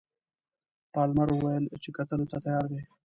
پالمر وویل چې کتلو ته تیار دی.